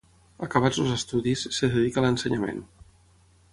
Acabats els estudis, es dedica a l’ensenyament.